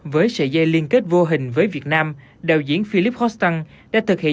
với sợi dây liên kết vô hình với việt nam đạo diễn philip hostan đã thực hiện